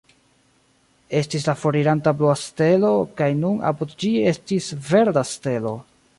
Estis la foriranta blua stelo, kaj nun apud ĝi estis verda stelo.